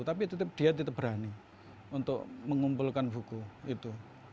tapi dia tetap berani untuk mengumpulkan buku itu